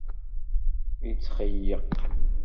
Yetxeyyeq.